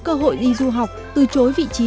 cơ hội đi du học từ chối vị trí